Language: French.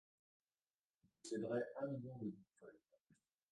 Il posséderait un million de bitcoins.